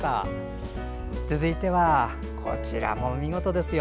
続いては、こちらも見事ですよ。